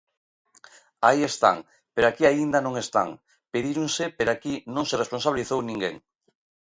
Aí están, pero aquí aínda non están; pedíronse pero aquí non se responsabilizou ninguén.